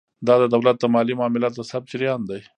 دا د دولت د مالي معاملاتو د ثبت جریان دی.